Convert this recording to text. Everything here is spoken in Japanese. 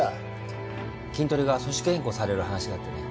キントリが組織変更される話があってね